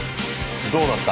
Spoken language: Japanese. どうなった？